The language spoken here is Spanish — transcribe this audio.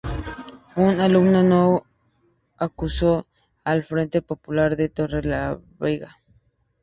Un alumno lo acusó al Frente Popular de Torrelavega.